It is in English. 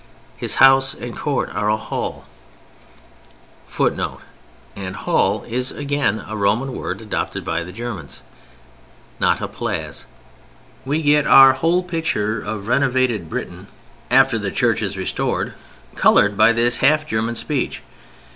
His house and court are a hall [Footnote: And "hall" is again a Roman word adopted by the Germans.] not a plâs. We get our whole picture of renovated Britain (after the Church is restored) colored by this half German speech.